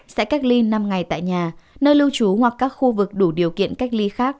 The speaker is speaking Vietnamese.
sẽ cách ly năm ngày tại nhà nơi lưu trú hoặc các khu vực đủ điều kiện cách ly khác